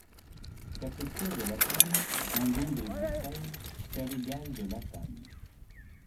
Cathéture de Latham, Dindon des broussailles, Talégalle de Latham.